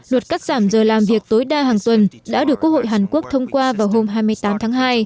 luật cắt giảm giờ làm việc tối đa hàng tuần đã được quốc hội hàn quốc thông qua vào hôm hai mươi tám tháng hai